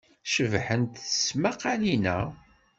Cebḥent tesmaqqalin-a.